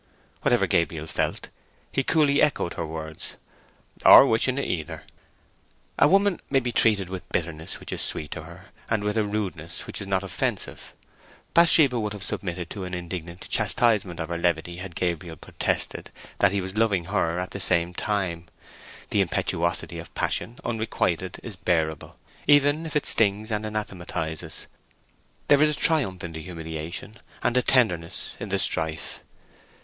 Whatever Gabriel felt, he coolly echoed her words— "Or wishing it either." A woman may be treated with a bitterness which is sweet to her, and with a rudeness which is not offensive. Bathsheba would have submitted to an indignant chastisement for her levity had Gabriel protested that he was loving her at the same time; the impetuosity of passion unrequited is bearable, even if it stings and anathematizes—there is a triumph in the humiliation, and a tenderness in the strife.